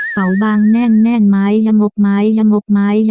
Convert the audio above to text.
เป่าบางแน่นไม้ยะมก